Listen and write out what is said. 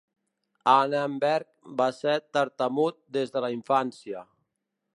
Annenberg va ser tartamut des de la infància.